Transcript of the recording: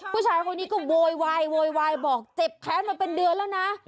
ผู้ชายคนนี้ก็โวยวายโวยวายบอกเจ็บแค้นมาเป็นเดือนแล้วนะ